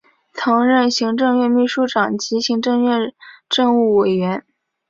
曾任行政院秘书长及行政院政务委员。